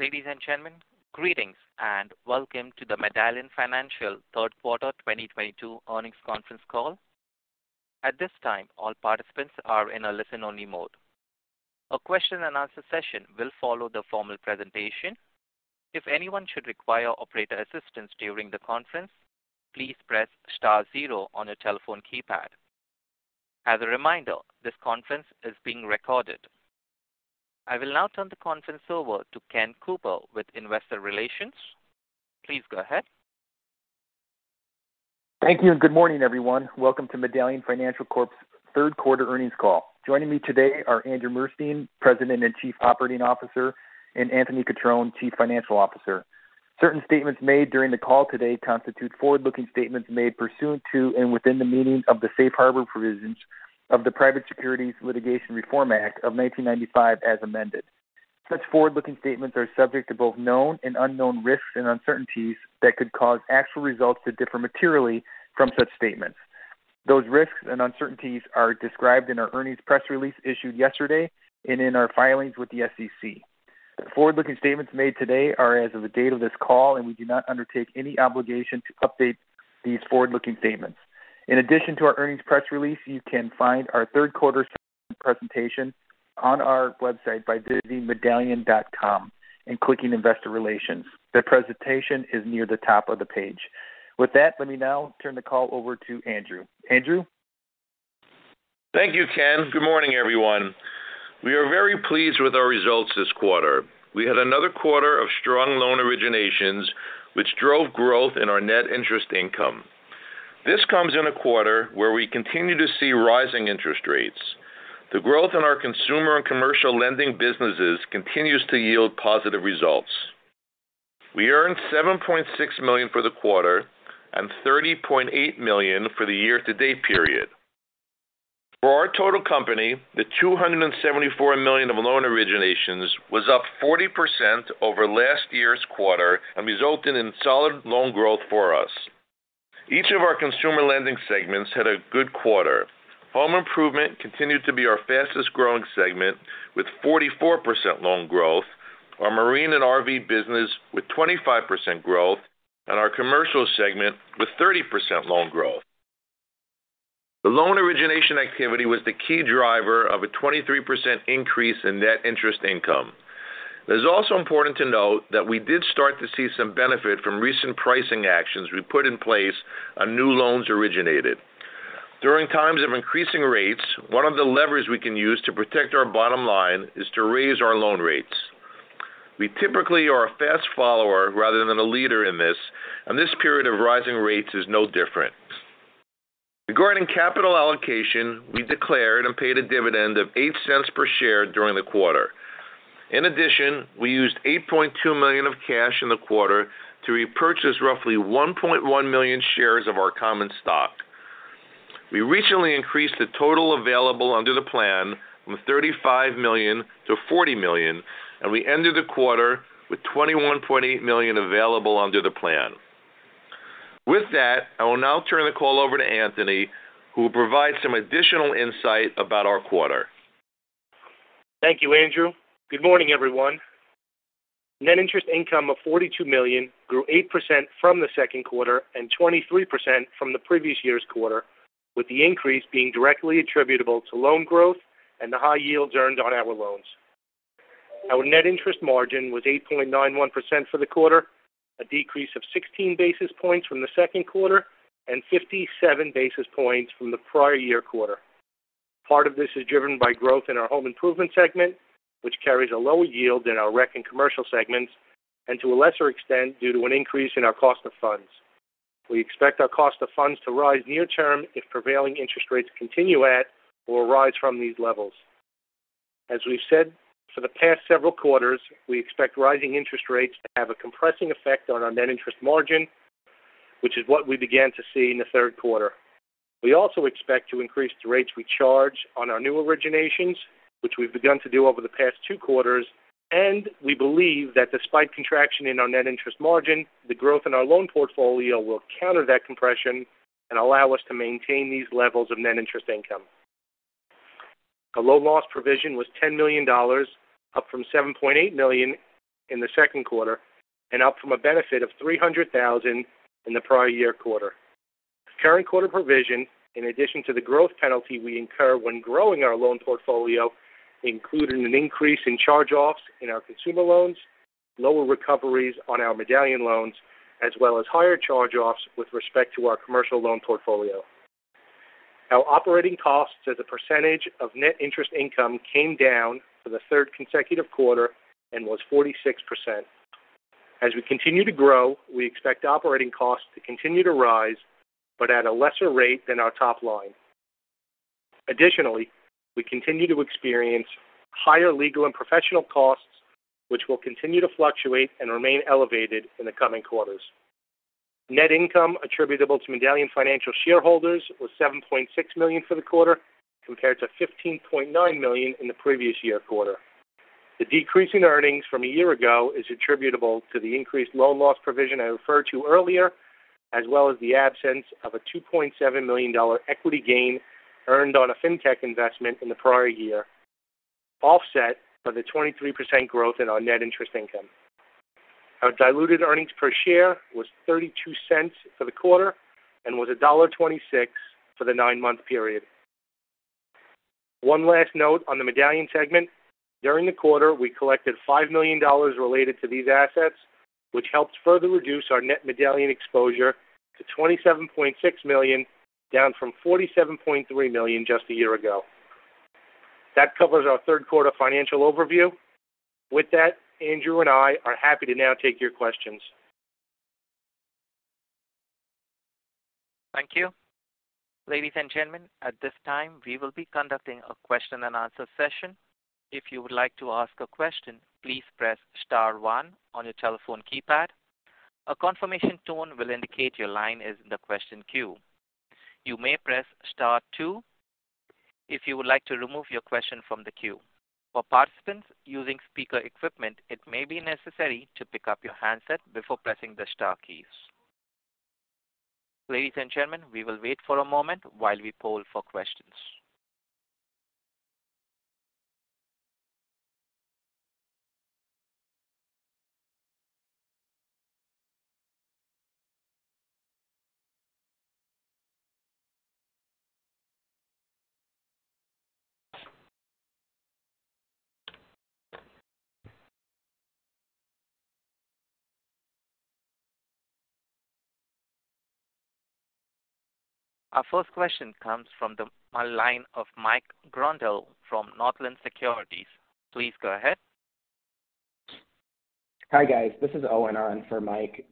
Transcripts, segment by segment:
Ladies and gentlemen, greetings and welcome to the Medallion Financial Third Quarter 2022 earnings conference call. At this time, all participants are in a listen-only mode. A question and answer session will follow the formal presentation. If anyone should require operator assistance during the conference, please press star zero on your telephone keypad. As a reminder, this conference is being recorded. I will now turn the conference over to Ken Cooper with investor relations. Please go ahead. Thank you and good morning, everyone. Welcome to Medallion Financial Corp.'s third quarter earnings call. Joining me today are Andrew Murstein, President and Chief Operating Officer, and Anthony Cutrone, Chief Financial Officer. Certain statements made during the call today constitute forward-looking statements made pursuant to and within the meaning of the Safe Harbor provisions of the Private Securities Litigation Reform Act of 1995, as amended. Such forward-looking statements are subject to both known and unknown risks and uncertainties that could cause actual results to differ materially from such statements. Those risks and uncertainties are described in our earnings press release issued yesterday and in our filings with the SEC. The forward-looking statements made today are as of the date of this call, and we do not undertake any obligation to update these forward-looking statements. In addition to our earnings press release, you can find our third-quarter presentation on our website by visiting medallion.com and clicking investor Relations. The presentation is near the top of the page. With that, let me now turn the call over to Andrew. Andrew? Thank you, Ken. Good morning, everyone. We are very pleased with our results this quarter. We had another quarter of strong loan originations, which drove growth in our net interest income. This comes in a quarter where we continue to see rising interest rates. The growth in our consumer and commercial lending businesses continues to yield positive results. We earned $7.6 million for the quarter and $30.8 million for the year-to-date period. For our total company, the $274 million of loan originations was up 40% over last year's quarter and resulted in solid loan growth for us. Each of our consumer lending segments had a good quarter. Home Improvement continued to be our fastest-growing segment with 44% loan growth. Our marine and RV business with 25% growth and our commercial segment with 30% loan growth. The loan origination activity was the key driver of a 23% increase in net interest income. It is also important to note that we did start to see some benefit from recent pricing actions we put in place on new loans originated. During times of increasing rates, one of the levers we can use to protect our bottom line is to raise our loan rates. We typically are a fast follower rather than a leader in this, and this period of rising rates is no different. Regarding capital allocation, we declared and paid a dividend of $0.08 per share during the quarter. In addition, we used $8.2 million of cash in the quarter to repurchase roughly 1.1 million shares of our common stock. We recently increased the total available under the plan from $35 million-$40 million, and we ended the quarter with $21.8 million available under the plan. With that, I will now turn the call over to Anthony, who will provide some additional insight about our quarter. Thank you, Andrew. Good morning, everyone. Net interest income of $42 million grew 8% from the second quarter and 23% from the previous year's quarter, with the increase being directly attributable to loan growth and the high yields earned on our loans. Our net interest margin was 8.91% for the quarter, a decrease of 16 basis points from the second quarter and 57 basis points from the prior year quarter. Part of this is driven by growth in our home improvement segment, which carries a lower yield than our rec and commercial segments, and to a lesser extent, due to an increase in our cost of funds. We expect our cost of funds to rise near-term if prevailing interest rates continue at or rise from these levels. As we've said for the past several quarters, we expect rising interest rates to have a compressing effect on our net interest margin, which is what we began to see in the third quarter. We also expect to increase the rates we charge on our new originations, which we've begun to do over the past two quarters. We believe that despite contraction in our net interest margin, the growth in our loan portfolio will counter that compression and allow us to maintain these levels of net interest income. Our loan loss provision was $10 million, up from $7.8 million in the second quarter and up from a benefit of $300,000 in the prior year quarter. Current quarter provision, in addition to the growth penalty we incur when growing our loan portfolio, included an increase in charge-offs in our consumer loans, lower recoveries on our medallion loans, as well as higher charge-offs with respect to our commercial loan portfolio. Our operating costs as a percentage of net interest income came down for the third consecutive quarter and was 46%. As we continue to grow, we expect operating costs to continue to rise, but at a lesser rate than our top line. Additionally, we continue to experience higher legal and professional costs, which will continue to fluctuate and remain elevated in the coming quarters. Net income attributable to Medallion Financial shareholders was $7.6 million for the quarter, compared to $15.9 million in the previous year quarter. The decrease in earnings from a year ago is attributable to the increased loan loss provision I referred to earlier. As well as the absence of a $2.7 million equity gain earned on a fintech investment in the prior year, offset by the 23% growth in our net interest income. Our diluted earnings per share was $0.32 for the quarter and was $1.26 for the nine-month period. One last note on the Medallion segment. During the quarter, we collected $5 million related to these assets, which helps further reduce our net Medallion exposure to $27.6 million, down from $47.3 million just a year ago. That covers our third quarter financial overview. With that, Andrew and I are happy to now take your questions. Thank you. Ladies and gentlemen, at this time we will be conducting a question and answer session. If you would like to ask a question, please press star one on your telephone keypad. A confirmation tone will indicate your line is in the question queue. You may press star two if you would like to remove your question from the queue. For participants using speaker equipment, it may be necessary to pick up your handset before pressing the star keys. Ladies and gentlemen, we will wait for a moment while we poll for questions. Our first question comes from the line of Mike Grondahl from Northland Securities. Please go ahead. Hi, guys. This is Owen on for Mike.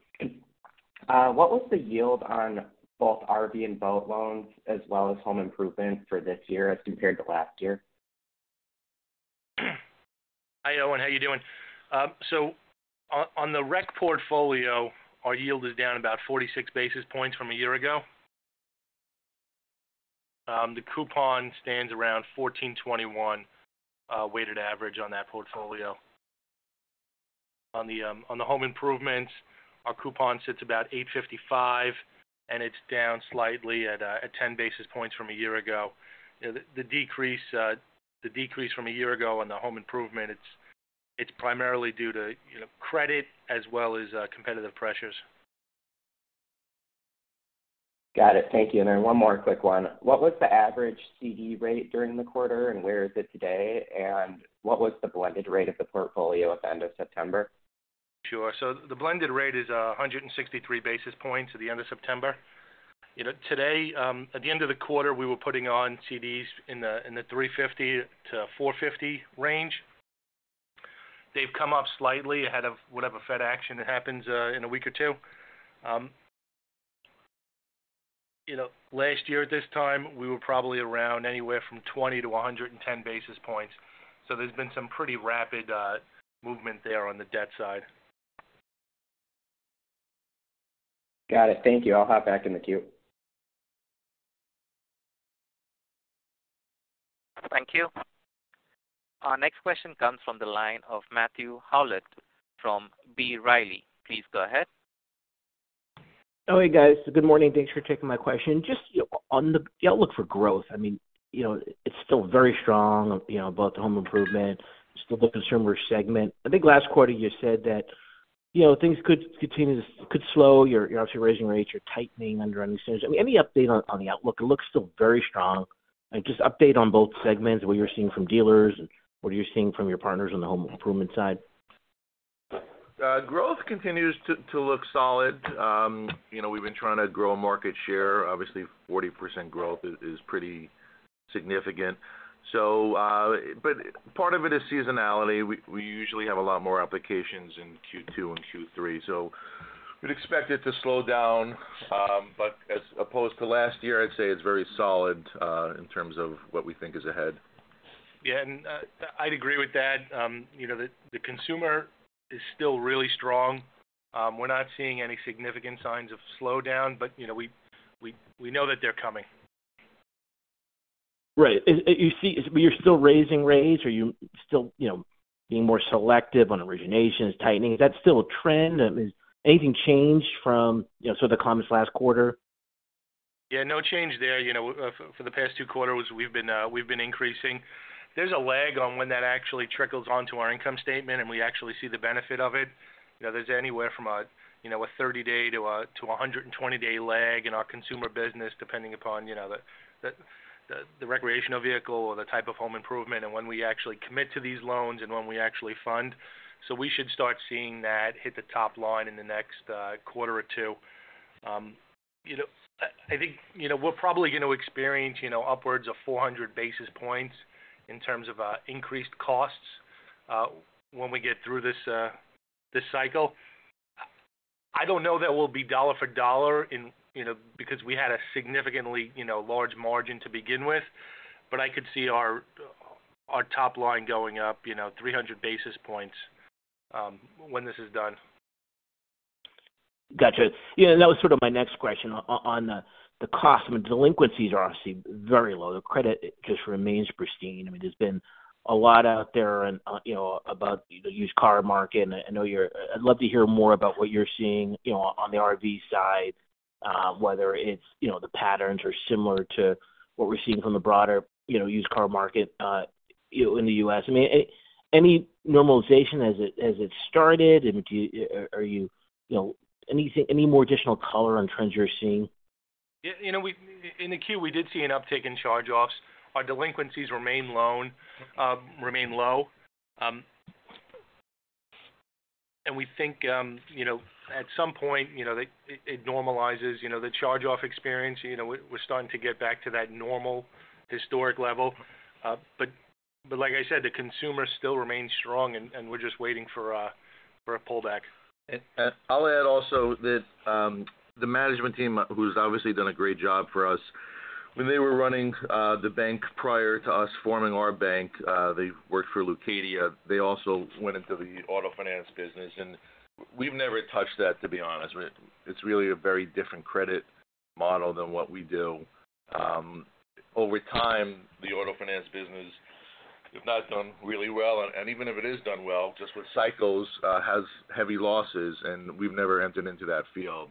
What was the yield on both RV and boat loans as well as home improvement for this year as compared to last year? Hi, Owen. How are you doing? On the rec portfolio, our yield is down about 46 basis points from a year ago. The coupon stands around 14.21%, weighted average on that portfolio. On the home improvements, our coupon sits about 8.55%, and it's down slightly at 10 basis points from a year ago. You know, the decrease from a year ago on the home improvement, it's primarily due to you know, credit as well as competitive pressures. Got it. Thank you. One more quick one. What was the average CD rate during the quarter, and where is it today? What was the blended rate of the portfolio at the end of September? Sure. The blended rate is 163 basis points at the end of September. You know, today, at the end of the quarter, we were putting on CDs in the 3.50%-4.50% range. They've come up slightly ahead of whatever Fed action happens in a week or two. You know, last year at this time, we were probably around anywhere from 20-110 basis points. There's been some pretty rapid movement there on the debt side. Got it. Thank you. I'll hop back in the queue. Thank you. Our next question comes from the line of Matthew Howlett from B. Riley. Please go ahead. Oh, hey, guys. Good morning. Thanks for taking my question. Just, you know, on the outlook for growth, I mean, you know, it's still very strong, you know, both the home improvement, still the consumer segment. I think last quarter you said that, you know, things could slow, you're obviously raising rates, you're tightening underwriting standards. I mean, any update on the outlook? It looks still very strong. Just update on both segments, what you're seeing from dealers, what are you seeing from your partners on the home improvement side. Growth continues to look solid. You know we've been trying to grow market share. Obviously, 40% growth is pretty significant. Part of it is seasonality. We usually have a lot more applications in Q2 and Q3, so we'd expect it to slow down. As opposed to last year, I'd say it's very solid in terms of what we think is ahead. Yeah, I'd agree with that. You know, the consumer is still really strong. We're not seeing any significant signs of slowdown, but you know, we know that they're coming. Right. You're still raising rates. Are you still, you know, being more selective on originations, tightening? Is that still a trend? I mean, anything changed from, you know, some of the comments last quarter? Yeah, no change there. You know, for the past two quarters, we've been increasing. There's a lag on when that actually trickles on to our income statement, and we actually see the benefit of it. You know, there's anywhere from a 30-day to a 120-day lag in our consumer business, depending upon the recreational vehicle or the type of home improvement and when we actually commit to these loans and when we actually fund. We should start seeing that hit the top line in the next quarter or two. You know, I think we're probably going to experience upwards of 400 basis points in terms of increased costs when we get through this cycle. I don't know that we'll be dollar for dollar in, you know, because we had a significantly large margin to begin with. I could see our top line going up, you know, 300 basis points when this is done. Got you. Yeah, that was sort of my next question on the costs. I mean, delinquencies are obviously very low. The credit just remains pristine. I mean, there's been a lot out there and, you know, about the used car market. I know you're-- I'd love to hear more about what you're seeing, you know, on the RV side. Whether it's, you know, the patterns are similar to what we're seeing from the broader, you know, used car market, in the U.S. I mean, any normalization as it started, and you know, anything, any more additional color on trends you're seeing? You know, in the quarter, we did see an uptick in charge-offs. Our delinquencies remain low. We think, you know, at some point, you know, it normalizes the charge-off experience. You know, we're starting to get back to that normal historic level. Like I said, the consumer still remains strong and we're just waiting for a pullback. I'll add also that the management team, who's obviously done a great job for us, when they were running the bank prior to us forming our bank, they worked for Leucadia. They also went into the auto finance business, and we've never touched that, to be honest with you. It's really a very different credit model than what we do. Over time, the auto finance business, if not done really well, and even if it is done well, just with cycles, has heavy losses, and we've never entered into that field.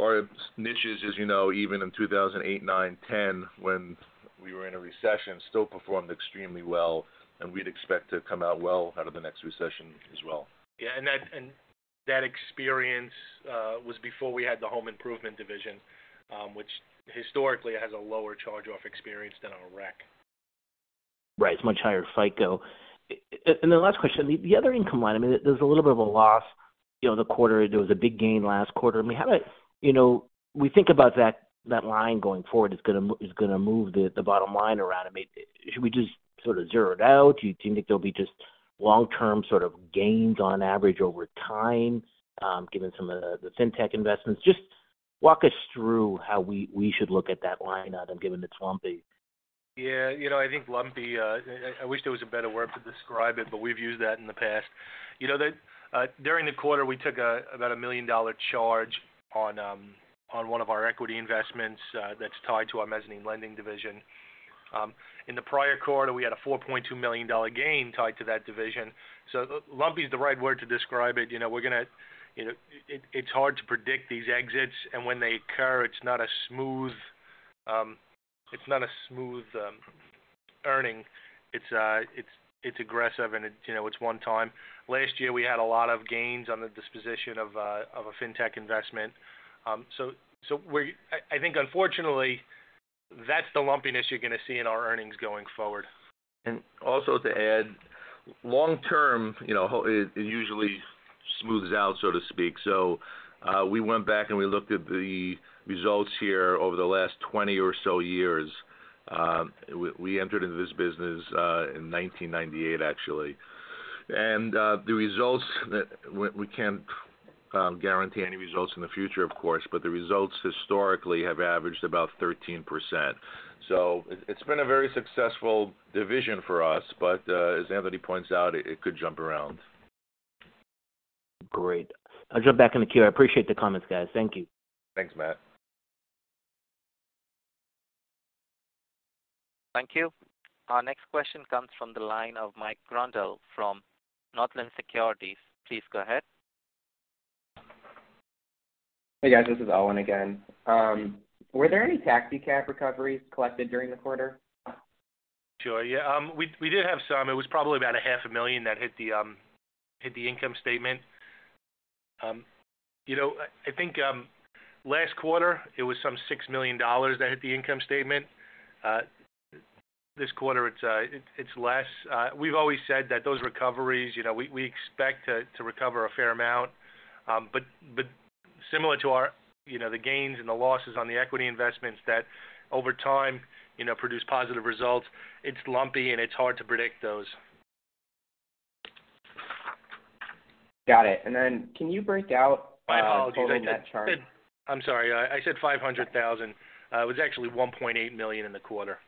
Our niches, as you know, even in 2008, 2009, 2010, when we were in a recession, still performed extremely well, and we'd expect to come out well out of the next recession as well. Yeah. That experience was before we had the home improvement division, which historically has a lower charge-off experience than our rec. Right. It's much higher FICO. And the last question, the other income line, I mean, there's a little bit of a loss, you know, the quarter, there was a big gain last quarter. I mean, how about, you know, we think about that line going forward, it's gonna move the bottom line around. I mean, should we just sort of zero it out? Do you think there'll be just long-term sort of gains on average over time, given some of the Fintech investments? Just walk us through how we should look at that line item given it's lumpy. Yeah. You know, I think lumpy. I wish there was a better word to describe it, but we've used that in the past. You know, during the quarter, we took about a $1 million charge on one of our equity investments that's tied to our mezzanine lending division. In the prior quarter, we had a $4.2 million gain tied to that division. Lumpy is the right word to describe it. You know, we're gonna. You know, it's hard to predict these exits, and when they occur, it's not a smooth earning. It's aggressive and it, you know, it's one time. Last year, we had a lot of gains on the disposition of a fintech investment. I think unfortunately, that's the lumpiness you're gonna see in our earnings going forward. also to add, long term, you know, it usually smooths out, so to speak. We went back and we looked at the results here over the last 20 or so years. We entered into this business in 1998, actually. We can't guarantee any results in the future, of course, but the results historically have averaged about 13%. It's been a very successful division for us, but as Anthony points out, it could jump around. Great. I'll jump back in the queue. I appreciate the comments, guys. Thank you. Thanks, Matt. Thank you. Our next question comes from the line of Mike Grondahl from Northland Securities. Please go ahead. Hey, guys, this is Owen again. Were there any taxi cab recoveries collected during the quarter? Sure. Yeah. We did have some. It was probably about half a million dollars that hit the income statement. You know, I think last quarter it was some $6 million that hit the income statement. This quarter it's less. We've always said that those recoveries, you know, we expect to recover a fair amount. But similar to our, you know, the gains and the losses on the equity investments that over time, you know, produce positive results, it's lumpy and it's hard to predict those. Got it. Can you break out total net charge-offs? I'm sorry. I said $500,000. It was actually $1.8 million in the quarter.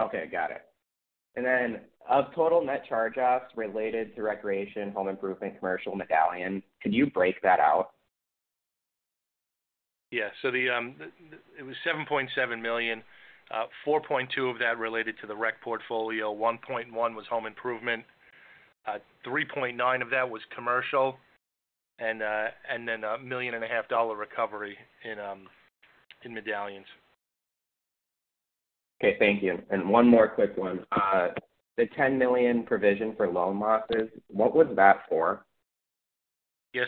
Okay. Got it. Of total net charge-offs related to recreation, home improvement, commercial, Medallion, could you break that out? It was $7.7 million. $4.2 million of that related to the rec portfolio. $1.1 million was home improvement. $3.9 million of that was commercial. A $1.5 million recovery in Medallion's. Okay. Thank you. One more quick one. The $10 million loan loss provision, what was that for? Yeah.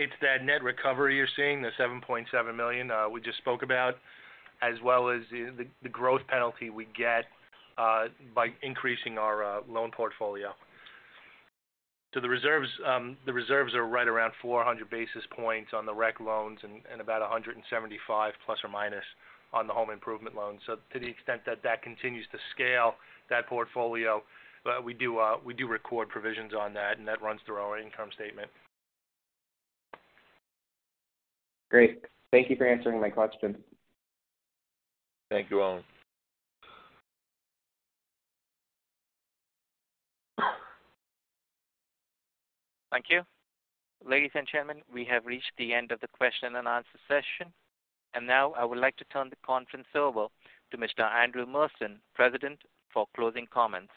It's that net recovery you're seeing, the $7.7 million we just spoke about, as well as the growth penalty we get by increasing our loan portfolio. The reserves are right around 400 basis points on the rec loans and about 175 basis points on the home improvement loans. To the extent that that continues to scale that portfolio, we do record provisions on that and that runs through our income statement. Great. Thank you for answering my question. Thank you, Owen. Thank you. Ladies and gentlemen, we have reached the end of the question and answer session. Now I would like to turn the conference over to Mr. Andrew Murstein, President, for closing comments.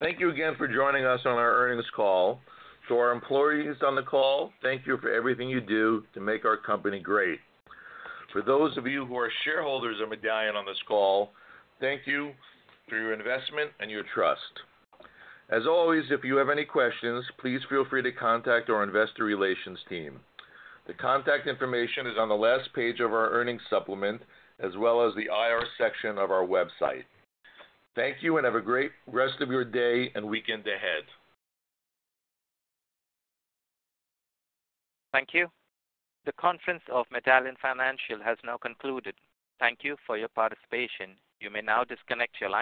Thank you again for joining us on our earnings call. To our employees on the call, thank you for everything you do to make our company great. For those of you who are shareholders of Medallion on this call, thank you for your investment and your trust. As always, if you have any questions, please feel free to contact our investor relations team. The contact information is on the last page of our earnings supplement as well as the IR section of our website. Thank you and have a great rest of your day and weekend ahead. Thank you. The conference of Medallion Financial has now concluded. Thank you for your participation. You may now disconnect your lines.